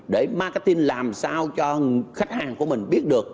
để marketing làm sao cho khách hàng của mình biết được